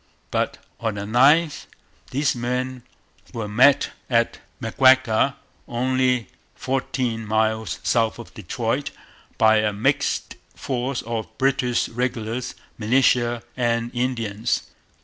But on the 9th these men were met at Maguaga, only fourteen miles south of Detroit, by a mixed force of British regulars, militia, and Indians.